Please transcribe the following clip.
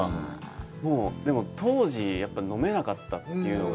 でも当時、やっぱり飲めなかったというのが。